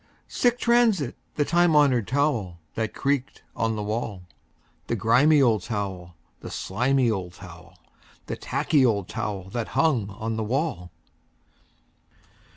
Sic transit The time honored towel that creaked on the wall. The grimy old towel, the slimy old towel, The tacky old towel that hung on the wall.